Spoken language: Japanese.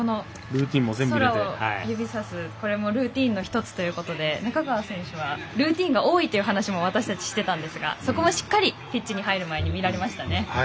空を指さすルーティンの１つということで仲川選手はルーティンが多いという話も私たち、してたんですがそこもしっかりピッチに入る前に見られましたね。